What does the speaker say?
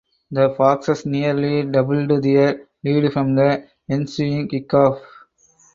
The Foxes nearly doubled their lead from the ensuing kickoff.